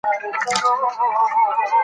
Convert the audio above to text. ماشوم د خپل پلار په غېږ کې ویده شو.